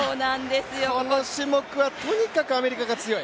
この種目はとにかくアメリカが強い。